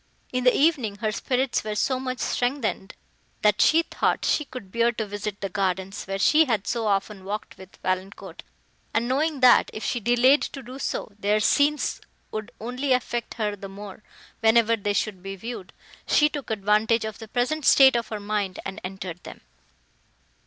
In the evening, her spirits were so much strengthened, that she thought she could bear to visit the gardens, where she had so often walked with Valancourt; and, knowing, that, if she delayed to do so, their scenes would only affect her the more, whenever they should be viewed, she took advantage of the present state of her mind, and entered them.